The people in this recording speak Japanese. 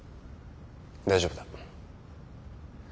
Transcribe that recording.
大丈夫だ。